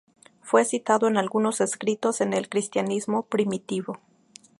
Fue citado en algunos escritos en el cristianismo primitivo.